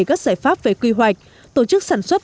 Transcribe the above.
các giải pháp về quy hoạch tổ chức sản xuất